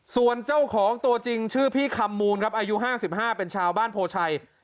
ส่วนเจ้าของตัวจริงชื่อพี่คำมูลครับอายุ๕๕เป็นชาวบ้านโพชัย